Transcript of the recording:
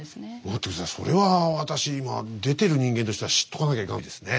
待って下さいそれは私今出てる人間としては知っとかなきゃいかんですね。